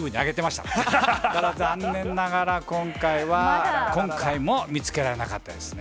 ただ残念ながら、今回は、今回も見つけられなかったですね。